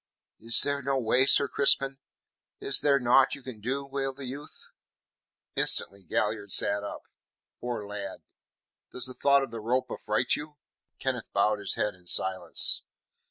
"Is there no way, Sir Crispin? Is there naught you can do?" wailed the youth. Instantly Galliard sat up. "Poor lad, does the thought of the rope affright you?" Kenneth bowed his head in silence.